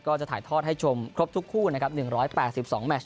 ก็จะถ่ายทอดให้ชมครบทุกคู่๑๘๒แมท